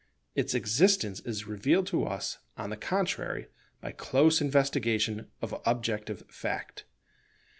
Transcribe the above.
Its existence is revealed to us, on the contrary, by close investigation of objective fact.